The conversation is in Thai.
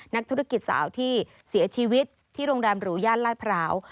นักธุรกิจสาวที่เสียชีวิตที่โรงแรมหรูย่านลาดพร้าว